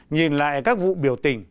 nhìn lại các vụ biểu tình